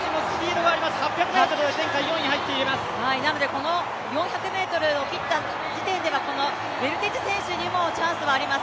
この４００ｍを切った時点ではウェルテジ選手にもチャンスはあります。